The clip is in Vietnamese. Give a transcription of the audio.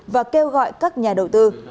và kêu gọi các nhà đầu tư